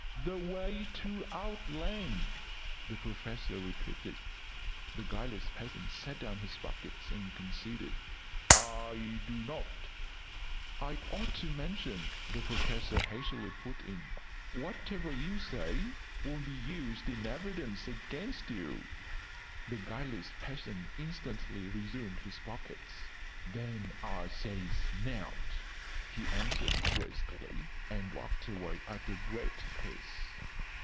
"The way to Outland!" the Professor repeated. The guileless peasant set down his buckets and considered. "Ah dunnot " "I ought to mention," the Professor hastily put in, "that whatever you say will be used in evidence against you." The guileless peasant instantly resumed his buckets. "Then ah says nowt!" he answered briskly, and walked away at a great pace.